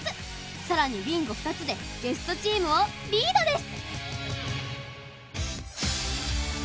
更にＢＩＮＧＯ２つでゲストチームをリードです。